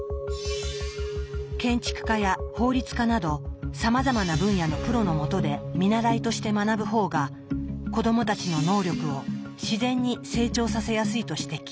建築家や法律家などさまざまな分野のプロのもとで見習いとして学ぶ方が子どもたちの能力を自然に成長させやすいと指摘。